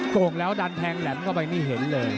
โก่งแล้วดันแทงแหลมเข้าไปนี่เห็นเลย